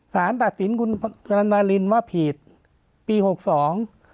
สารตัดสินคุณว่าผิดปีหกสอง